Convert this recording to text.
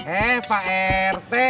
eh pak rt